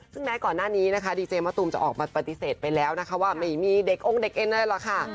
ซึ่งแม้ก่อนหน้านี้นะคะดีเจมะตูมจะออกมาปฏิเสธไปแล้วนะคะว่าไม่มีเด็กองค์เด็กเอ็นอะไรหรอกค่ะ